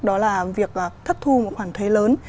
đó là việc thất thu một khoản thuế lớn